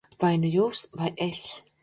Vai nu jūs, vai es.